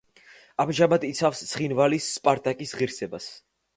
ამჟამად იცავს ცხინვალის „სპარტაკის“ ღირსებას.